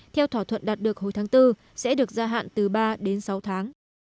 theo thỏa thuận đạt được hồi tháng bốn sẽ được gia hạn từ ba đến sáu tháng